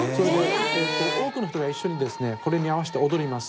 多くの人が一緒にこれに合わせて踊ります。